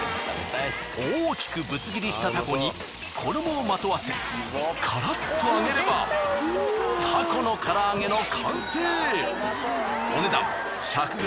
大きくぶつ切りしたタコに衣をまとわせカラッと揚げればタコの唐揚の完成！